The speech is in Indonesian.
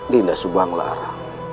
dinda subang lara